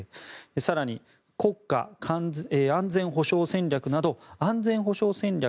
更に、国家安全保障戦略など安全保障戦略